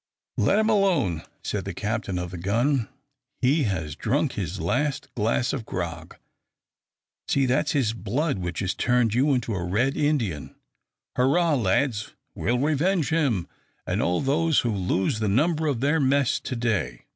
"Let him alone," said the captain of the gun; "he has drunk his last glass of grog. See, that's his blood which has turned you into a red Indian. Hurrah, lads! we'll revenge him, and all those who lose the number of their mess to day!"